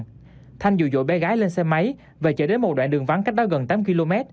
nguyễn thị thanh dụ dỗ bé gái lên xe máy và chở đến một đoạn đường vắng cách đó gần tám km